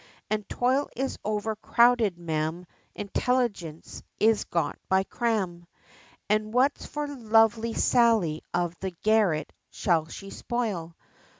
And toil is overcrowded, Mam, Intelligence is got by cram; And what's for lovely Sally of the garret, shall she spoil?